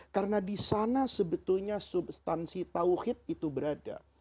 karena di sana sebetulnya substansi tawhid itu berada